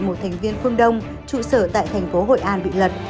một thành viên phương đông trụ sở tại thành phố hội an bị lật